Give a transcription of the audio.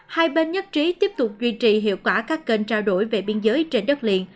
hai bên nhất trí tiếp tục duy trì hiệu quả các kênh trao đổi về biên giới trên đất liền